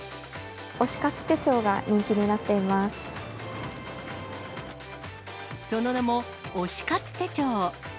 推し活手帳が人気になっていその名も推し活手帳。